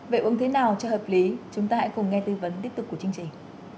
vậy uống thế nào cho hợp lý chúng ta hãy cùng nghe tư vấn tiếp tục của chương trình